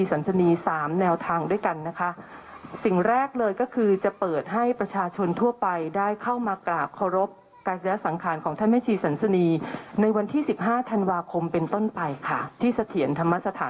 เราได้ข้อสรุปว่าจะให้ทุกท่านได้เข้ามา